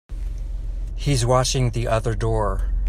He's watching the other door.